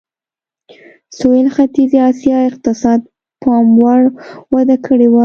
د سوېل ختیځې اسیا اقتصاد پاموړ وده کړې وه.